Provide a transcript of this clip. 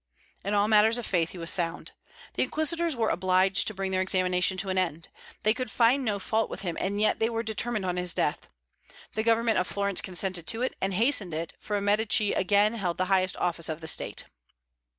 In all matters of faith he was sound. The inquisitors were obliged to bring their examination to an end. They could find no fault with him, and yet they were determined on his death. The Government of Florence consented to it and hastened it, for a Medici again held the highest office of the State.